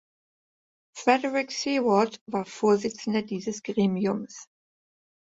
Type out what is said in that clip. Frederic Seward war der Vorsitzende dieses Gremiums.